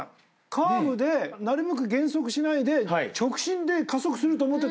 カーブでなるべく減速しないで直進で加速すると思ってたの。